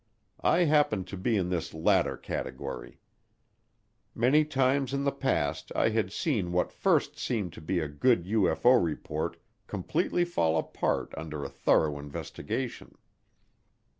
I happened to be in this latter category. Many times in the past I had seen what first seemed to be a good UFO report completely fall apart under a thorough investigation.